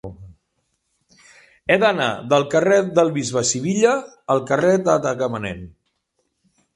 He d'anar del carrer del Bisbe Sivilla al carrer de Tagamanent.